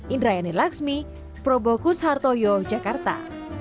indrayani laksmi probokus hartoyo jakarta